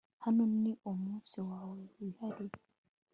Hano niUmunsi wawe wihariye